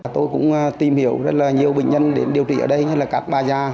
tôi cũng tìm hiểu rất là nhiều bệnh nhân đến điều trị ở đây như là các bà già